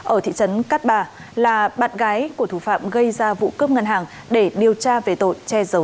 ở thị trấn cát bà là bạn gái của thủ phạm gây ra vụ cướp ngân hàng để điều tra về tội che giấu